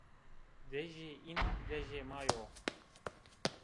Dejê înan dejê ma yo.